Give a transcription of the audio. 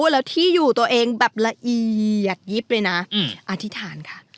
แล้วที่อยู่ตัวเองแบบละเอียดยิบเลยนะอธิษฐานค่ะ